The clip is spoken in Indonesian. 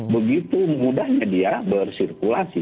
begitu mudahnya dia bersirkulasi